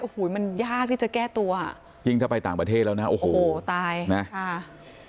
โอ้โหมันยากที่จะแก้ตัวยิ่งถ้าไปต่างประเทศแล้วนะโอ้โหตายนะค่ะ